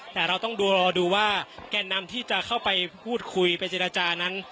แต่เราต้องรอดูว่าแก่นำที่จะเข้าไปพูดคุยไปเจรจานั้น